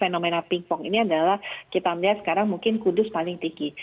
fenomena pingpong ini adalah kita melihat sekarang mungkin kudus paling tinggi